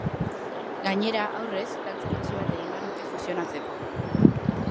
Gainera, aurrez, dantza bitxi bat egin behar dute fusionatzeko.